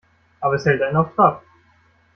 Aber es hält einen auf Trab.